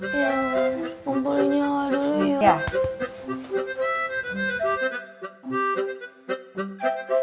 pembuli nyala dulu ya